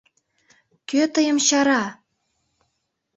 Кӧ тыйым чара!